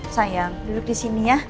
saya duduk di sini ya